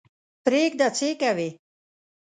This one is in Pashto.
پرېږده څه یې کوې.